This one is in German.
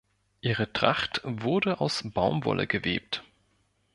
Ihre Tracht wurde aus Baumwolle gewebt.